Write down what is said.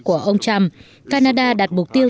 của ông trump canada đạt mục tiêu